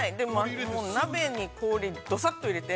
鍋に氷、どさっと入れて。